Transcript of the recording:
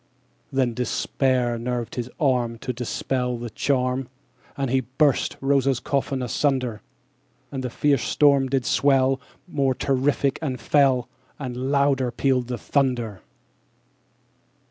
_75 14. Then despair nerved his arm To dispel the charm, And he burst Rosa's coffin asunder. And the fierce storm did swell More terrific and fell, _80 And louder pealed the thunder.